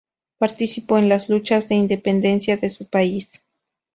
Participó en las luchas de Independencia de su país.